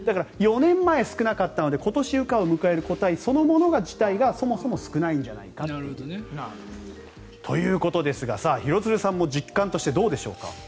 ４年前、少なかったので今年羽化を迎える個体そのもの自体がそもそも少ないんじゃないかと。ということですが、廣津留さんも実感としてはどうでしょうか？